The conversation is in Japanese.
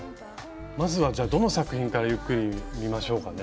まずはじゃあどの作品からゆっくり見ましょうかね？